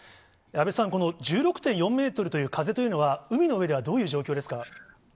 安倍さん、この１６．４メートルという風というのは、海の上ではどういう状況ですか。